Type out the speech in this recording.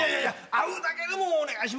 会うだけでもお願いします！